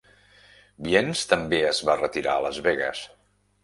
Viens també es va retirar a Las Vegas.